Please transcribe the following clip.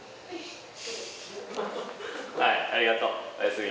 はいありがとう。おやすみ。